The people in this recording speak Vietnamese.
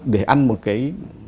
để ăn một cái